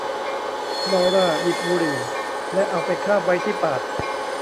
ลอร่าหยิบบุหรี่และเอาไปคาบไว้ที่ปาก